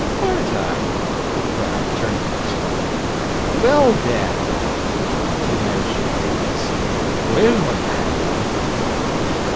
"Aren't I!" he cried, turning to his father. "Well, dad!" The two men shook hands. "Well, my lad!"